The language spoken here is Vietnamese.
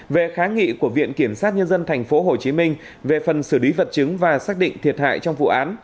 về kháng nghị của viện kiểm sát nhân dân tp hcm về phần xử lý vật chứng và xác định thiệt hại trong vụ án